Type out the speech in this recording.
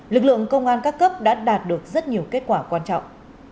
lực lượng công an các cấp đã đạt được rất nhiều kết quả quan trọng